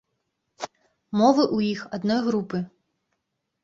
Мовы ў іх адной групы.